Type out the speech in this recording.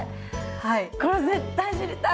はい。